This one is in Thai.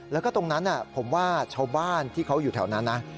แล้วก็ตรงนั้นผมว่าชาวบ้านที่เขาอยู่แถวนั้นนะ